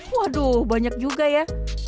waduh banyak juga ya